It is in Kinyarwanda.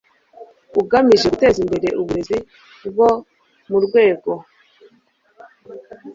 ugamije guteza imbere uburezi bwo mu rwego